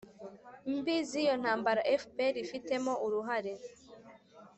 mbi z'iyo ntambara fpr ifitemo uruhare.